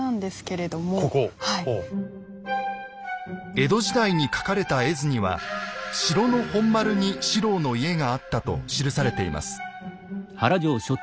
江戸時代に描かれた絵図には城の本丸に四郎の家があったと記されています。